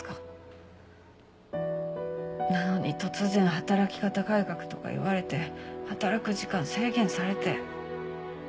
なのに突然働き方改革とかいわれて働く時間制限されて。